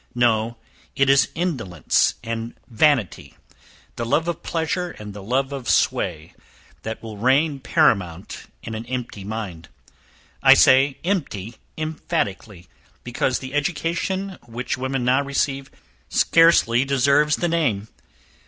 No, it is indolence and vanity the love of pleasure and the love of sway, that will reign paramount in an empty mind. I say empty, emphatically, because the education which women now receive scarcely deserves the name.